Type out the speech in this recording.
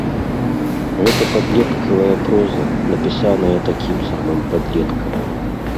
Гэта падлеткавая проза, напісаная такім самым падлеткам.